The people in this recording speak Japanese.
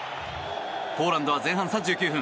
ポーランドは前半３９分。